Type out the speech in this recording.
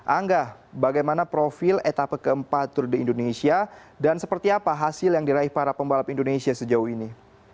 angga bagaimana profil etapa keempat tour de indonesia dan seperti apa hasil yang diraih para pembalap indonesia sejauh ini